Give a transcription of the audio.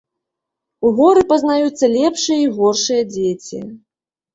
У горы пазнаюцца лепшыя й горшыя дзеці.